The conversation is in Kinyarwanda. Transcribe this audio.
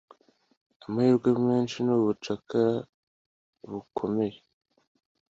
amahirwe menshi nubucakara bukomeye.